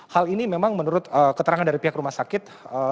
hal ini memang menurut keterangan dari pihak rumah sakit